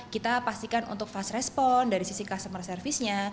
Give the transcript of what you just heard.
kita pastikan untuk fast respon dari sisi customer service nya